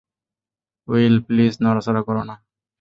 Will, please নড়াচড়া কোরো না।